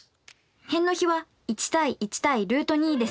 辺の比は１対１対ルート２ですよね。